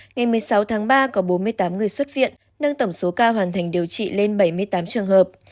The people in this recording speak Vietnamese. ngày một mươi sáu tháng ba có bốn mươi tám người xuất viện nâng tổng số ca hoàn thành điều trị lên bảy mươi tám trường hợp